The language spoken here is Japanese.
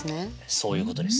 そういうことです。